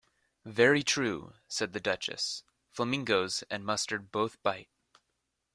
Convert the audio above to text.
‘Very true,’ said the Duchess: ‘flamingoes and mustard both bite’.